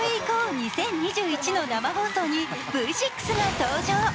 ２０２１」の生放送にＶ６が登場。